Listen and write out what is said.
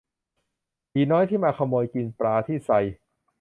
ผีน้อยที่มาขโมยกินปลาที่ไซ